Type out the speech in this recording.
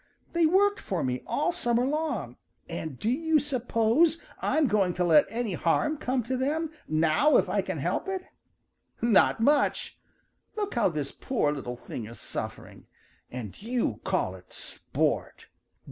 They've worked for me all summer long, and do you suppose I'm going to let any harm come to them now if I can help it? Not much! Look how this poor little thing is suffering. And you call it sport.